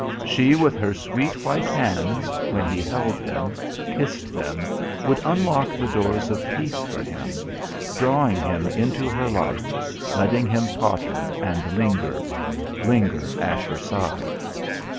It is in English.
She, with her sweet white hands, when he held them, kissed them, would unlock the doors of peace for him, drawing him into her life, letting him potter and linger linger at her side.